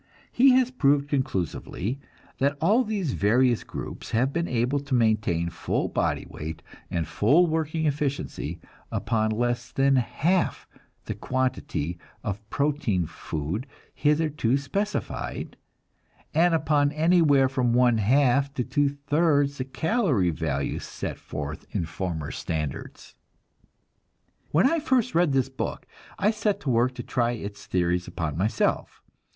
He has proved conclusively that all these various groups have been able to maintain full body weight and full working efficiency upon less than half the quantity of protein food hitherto specified, and upon anywhere from one half to two thirds the calory value set forth in the former standards. When I first read this book, I set to work to try its theories upon myself.